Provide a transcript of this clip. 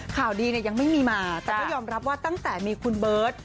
ข่าวดีเนี่ยยังไม่มีมาแต่ก็ยอมรับว่าตั้งแต่มีคุณเบิร์ต